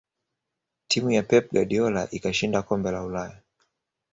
timu ya pep guardiola ikashinda kombe la ulaya